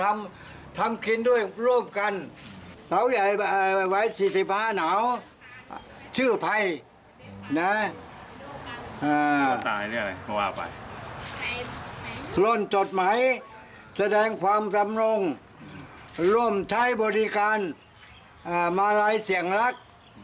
ร่วมใช้บริการมารัยเสียงรัก